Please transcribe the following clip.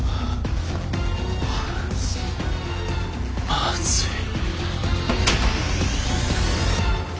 まずい。